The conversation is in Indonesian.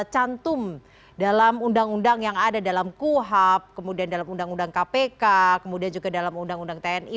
cantum dalam undang undang yang ada dalam kuhap kemudian dalam undang undang kpk kemudian juga dalam undang undang tni